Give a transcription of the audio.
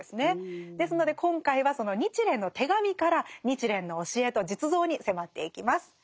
ですので今回はその「日蓮の手紙」から日蓮の教えと実像に迫っていきます。